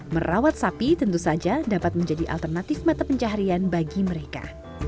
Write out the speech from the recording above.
merawat sapi tentu saja dapat menjadi alternatif mata pencaharian bagi mereka